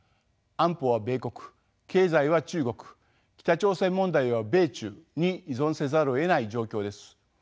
安保は米国経済は中国北朝鮮問題は米中に依存せざるをえない状況です。